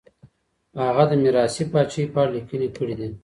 هغه د ميراثي پاچاهۍ په اړه ليکنې کړي دي.